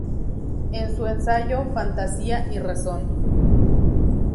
En su ensayo "Fantasía y razón.